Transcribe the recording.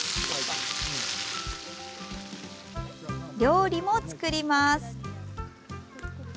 料理も作ります。